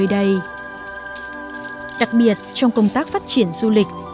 đặc biệt trong công tác phát triển du lịch